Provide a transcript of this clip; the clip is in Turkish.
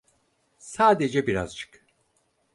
Sadece birazcık.